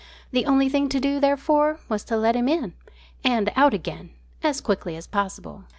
The only thing to do, therefore, was to let him in and out again as quickly as possible.